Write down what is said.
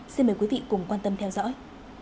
xin mời quý vị cùng quan tâm theo dõi